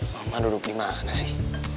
mama duduk dimana sih